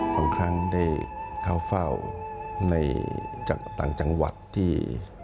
ครั้งได้เข้าเฝ้าในจากต่างจังหวัดที่